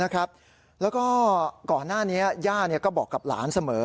แล้วก็ก่อนหน้านี้ย่าก็บอกกับหลานเสมอ